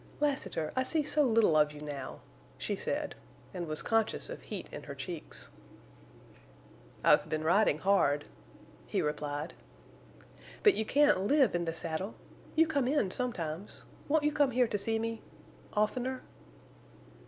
"Lassiter, I see so little of you now," she said, and was conscious of heat in her cheeks. "I've been riding hard," he replied. "But you can't live in the saddle. You come in sometimes. Won't you come here to see me—oftener?"